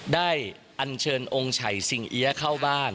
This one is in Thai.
ได้อันเชิญองศัยสิงเหี้ยเข้าบ้าน